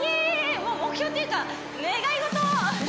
もう目標っていうか願い事！